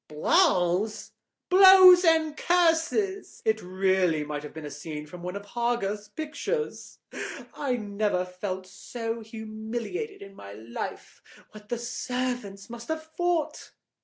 "Blows?" "Blows and curses. It really might have been a scene from one of Hogarth's pictures. I never felt so humiliated in my life. What the servants must have thought!"